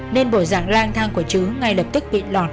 nên bộ dạng lang thang của trứ ngay lập tức bị lọt